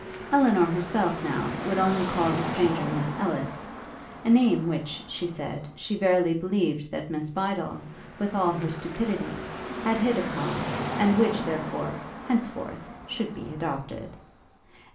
Elinor herself, now, would only call the stranger Miss Ellis, a name which, she said, she verily believed that Miss Bydel, with all her stupidity, had hit upon, and which therefore, henceforth, should be adopted.